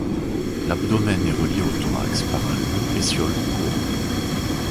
L'abdomen est relié au thorax par un long pétiole courbe.